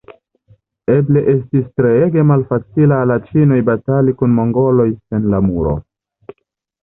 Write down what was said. Eble estis treege malfacila al ĉinoj batali kun mongoloj sen la Muro.